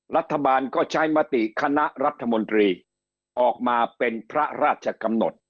รัฐบาลก็ใช้มติคณะรัฐมนตรีออกมาเป็นพระราชกำหนด